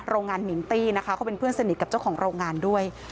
โรงงานมิงตี้นะคะเขาเป็นเพื่อนสนิทกับเจ้าของโรงงานด้วย